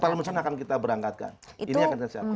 empat kapal kemanusiaan yang akan kita berangkatkan